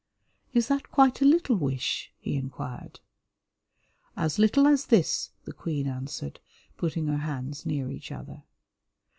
"Is that quite a little wish?" he inquired. "As little as this," the Queen answered, putting her hands near each other.